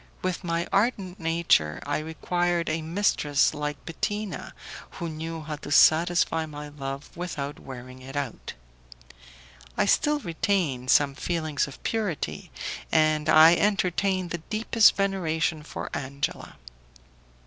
With my ardent nature, I required a mistress like Bettina, who knew how to satisfy my love without wearing it out. I still retained some feelings of purity, and I entertained the deepest veneration for Angela.